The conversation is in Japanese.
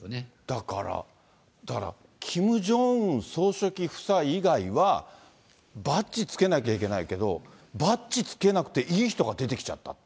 だから、だからキム・ジョンウン総書記夫妻以外はバッジつけなきゃいけないけど、バッジつけなくていい人が出てきちゃった。